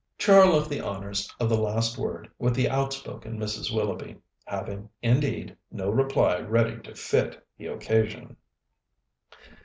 Char left the honours of the last word with the outspoken Mrs. Willoughby, having, indeed, no reply ready to fit the occasion.